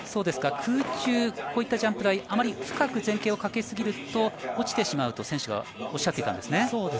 空中こういうジャンプ台、あまり深く前傾をかけすぎると落ちてしまうと選手はおっしゃっていたんですね。